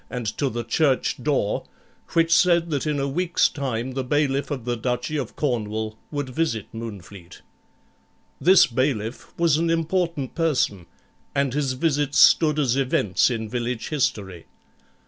and to the church door, which said that in a week's time the bailiff of the duchy of Cornwall would visit Moonfleet. This bailiff was an important person, and his visits stood as events in village history.